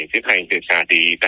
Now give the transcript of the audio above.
thì xài tỷ tại chỗ thêm cho bệnh nhân